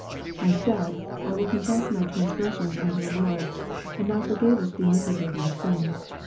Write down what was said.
I said, I will confess my transgression unto the Lord ; and Thou forgavest the iniquity of my sin."